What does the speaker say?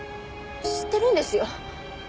知ってるんですよ。